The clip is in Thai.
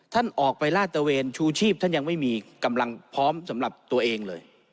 ท่านออกไปลาดตะเวนชูชีพท่านยังไม่มีกำลังพร้อมสำหรับตัวเองเลย